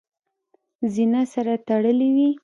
زینه سره تړلې وي .